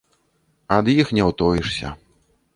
Ад іх не ўтоішся.